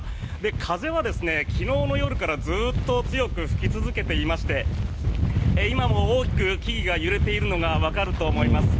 風は昨日の夜からずっと強く吹き続けていまして今も大きく木々が揺れているのがわかると思います。